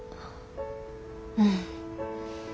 うん。